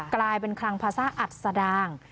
กลายเป็นคลังพาซ่าอัดสดาง